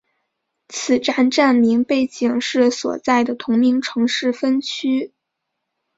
此站站名背景是所在的同名城市分区。